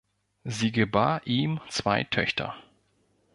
Sie gebar ihm zwei Töchter.